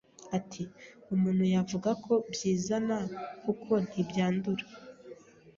Ati “Umuntu yavuga ko byizana kuko ntibyandura